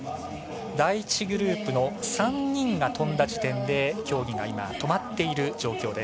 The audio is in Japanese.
第１グループの３人が飛んだ時点で競技が今止まっている状況。